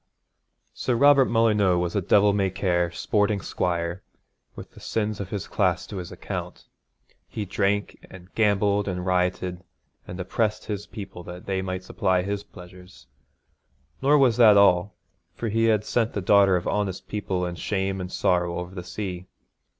Sir Robert Molyneux was a devil may care, sporting squire, with the sins of his class to his account. He drank, and gambled, and rioted, and oppressed his people that they might supply his pleasures; nor was that all, for he had sent the daughter of honest people in shame and sorrow over the sea.